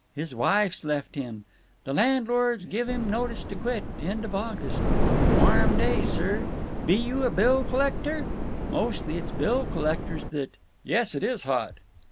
His wife's left him. The landlord's give him notice to quit, end of August. Warm day, sir. Be you a bill collector? Mostly, it's bill collectors that—" "Yes, it is hot."